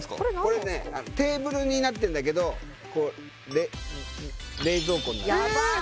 これねテーブルになってるんだけどこう冷冷蔵庫になってるえーっ！